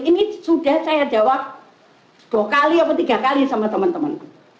ini sudah saya jawab dua kali atau tiga kali sama teman teman